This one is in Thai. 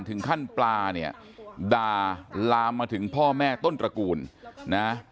ปลาเนี่ยด่าลามมาถึงพ่อแม่ต้นตระกูลนะ